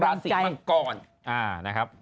ราศีมังกร